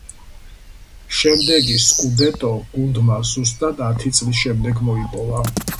შემდეგი „სკუდეტო“ გუნდმა ზუსტად ათი წლის შემდეგ მოიპოვა.